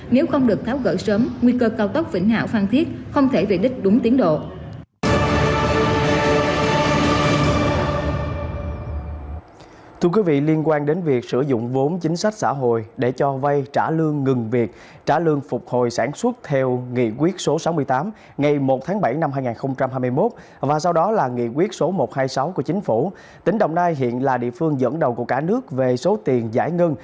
nếu không được tháo gỡ sớm nguy cơ cao tốc vĩnh hảo phan thiết không thể về đích đúng tiến độ